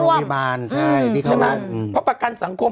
ไม่เข้าร่วม